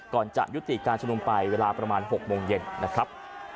ก่อนจะยุติการชุมนุมไปเวลาประมาณ๖โมงเย็นนะครับ